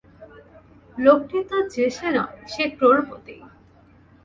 লোকটি তো যে সে নয়, সে ক্রোড়পতি।